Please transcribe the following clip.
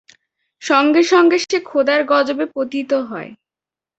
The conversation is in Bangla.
সঙ্গে সঙ্গে সে খোদার গযবে পতিত হয়।